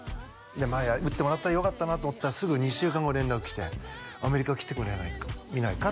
でまあ打ってもらってよかったなと思ったらすぐ２週間後連絡来て「アメリカ来てみないか？」